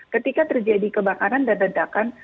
ketika terjadi kebakaran dan ledakan